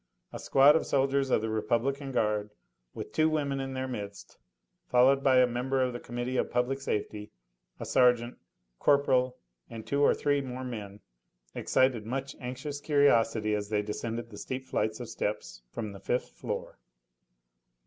A squad of soldiers of the Republican Guard, with two women in their midst, and followed by a member of the Committee of Public Safety, a sergeant, corporal and two or three more men, excited much anxious curiosity as they descended the steep flights of steps from the fifth floor.